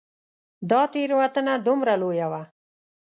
دا تېروتنه دومره لویه وه.